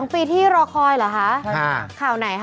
๒ปีที่รอคอยเหรอคะ